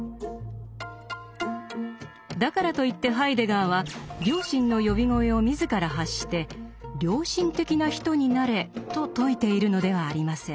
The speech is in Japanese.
だからといってハイデガーは良心の呼び声を自ら発して「良心的な人になれ」と説いているのではありません。